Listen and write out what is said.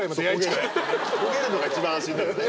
焦げるのが一番安心だからね。